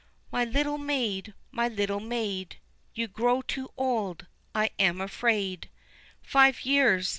My little maid, my little maid, You grow too old, I am afraid, Five years!